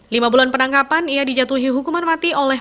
lima bulan penangkapan ia dijatuhi hukuman mati oleh